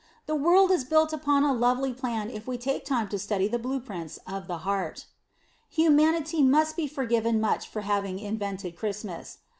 The world is built upon a lovely plan if we take time to study the blue prints of the heart. Humanity must be forgiven much for having invented Christmas.